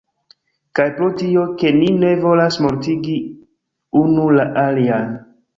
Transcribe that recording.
Kaj pro tio, ke ni ne volas mortigi unu la alian